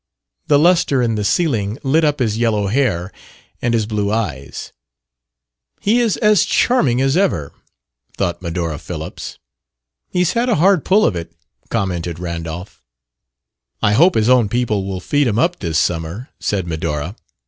The lustre in the ceiling lit up his yellow hair and his blue eyes: "He is as charming as ever!" thought Medora Phillips. "He's had a hard pull of it," commented Randolph. "I hope his own people will feed him up this summer," said Medora.